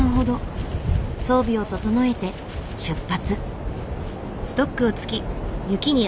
装備を整えて出発。